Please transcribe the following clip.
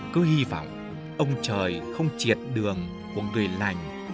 cứ hy vọng ông trời không triệt đường của người lành